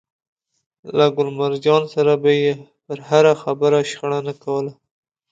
له ګل مرجان سره به يې پر هره خبره شخړه نه کوله.